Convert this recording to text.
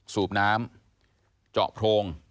สูบน้ำเจาะโพรง